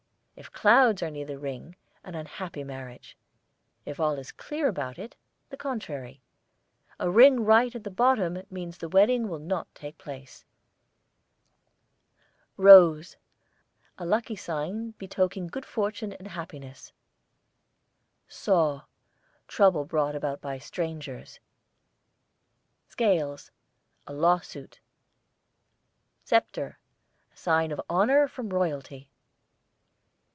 If clouds are near the ring, an unhappy marriage; if all is clear about it, the contrary. A ring right at the bottom means the wedding will not take place. ROSE, a lucky sign betokening good fortune and happiness. SAW, trouble brought about by strangers. SCALES, a lawsuit. SCEPTRE, a sign of honour from royalty.